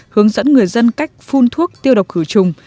hướng dẫn người dân cách phun thuốc tiêu độc khử trùng